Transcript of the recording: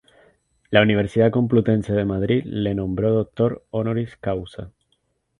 La Universidad Complutense de Madrid le nombró doctor Honoris Causa.